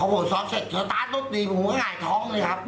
พอหมดสร้างเสร็จกระดานรถหนีผมก็เงียบท้องเลยครับ